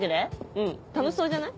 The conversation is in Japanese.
うん楽しそうじゃない？